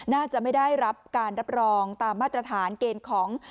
น่าจะไม่ได้รับการรับรองตามมาตรฐานเกณฑ์ของ